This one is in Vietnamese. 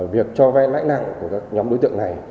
việc cho vay lãi nặng của các nhóm đối tượng này